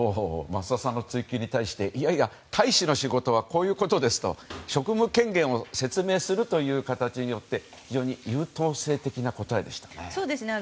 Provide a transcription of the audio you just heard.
増田さんの追及に対していやいや、大使の仕事はこういうことですと職務権限を説明する形によって非常に優等生的な答えでしたね。